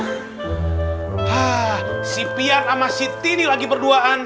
hah si pian sama si tini lagi berduaan